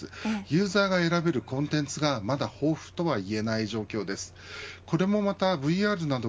ユーザーが選べるコンテンツがまだ豊富とはいえない状況です。